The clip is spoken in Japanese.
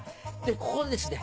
ここでですね